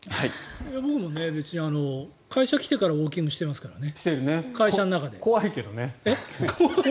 僕も会社来てからウォーキングしてますからね。